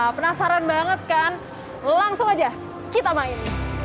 penasaran banget kan langsung aja kita main